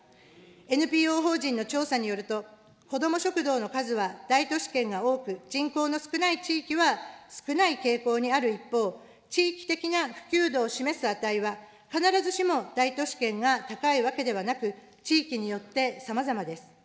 ＮＰＯ法人の調査によると、子ども食堂の数は大都市圏が多く、人口の少ない地域は少ない傾向にある一方、地域的な普及度を示す値は、必ずしも大都市圏が高いわけではなく、地域によってさまざまです。